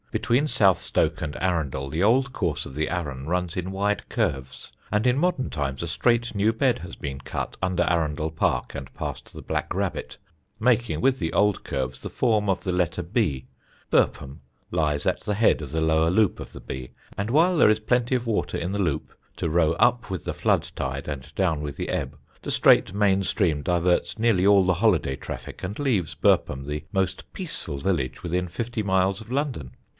Between South Stoke and Arundel the old course of the Arun runs in wide curves, and in modern times a straight new bed has been cut, under Arundel Park and past the Black Rabbit, making, with the old curves, the form of the letter B. Burpham lies at the head of the lower loop of the B, and while there is plenty of water in the loop to row up with the flood tide and down with the ebb, the straight main stream diverts nearly all the holiday traffic and leaves Burpham the most peaceful village within fifty miles of London.